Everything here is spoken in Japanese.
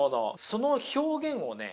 その表現をね